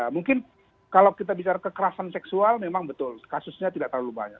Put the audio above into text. mungkin kalau kita bicara kekerasan seksual memang betul kasusnya tidak terlalu banyak